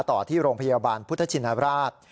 ต่อที่โรงพยาบาลพุทธชินราช